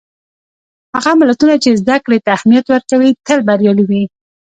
هغه ملتونه چې زدهکړې ته اهمیت ورکوي، تل بریالي وي.